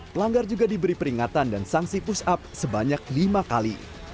pelanggar juga diberi peringatan dan sanksi push up sebanyak lima kali